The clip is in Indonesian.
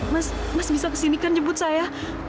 mas mas bisa kesini kan nyebut saya